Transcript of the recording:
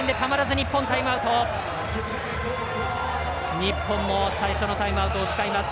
日本も最初のタイムアウトを使います。